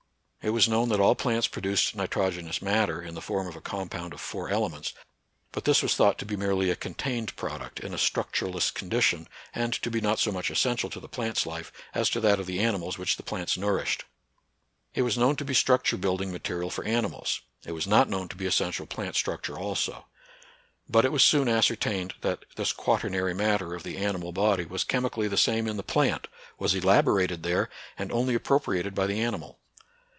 It was known that all plants produced nitrogenous matter in the form of a compound of four elements ; but this was thought to be merely a contained product, in a structureless condition, and to be not so much essential to the plant's life as to that of the animals which the plants nourished. It was known to be struc NATURAL SCIENCE AND RELIGION. 13 ture building material for animals : it was not known to be essential plant structure also. But it was soon ascertained that this quaternary matter of the animal body was chemically the same in the plant, was elaborated there, and only appropriated by the animal.